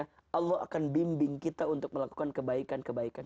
kita akan diberi kebaikan